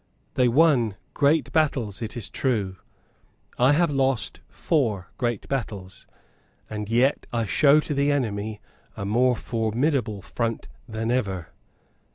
They won great battles, it is true. I have lost four great battles; and yet I show to the enemy a more formidable front than ever."